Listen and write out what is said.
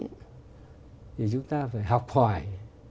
thì chúng ta phải học hỏi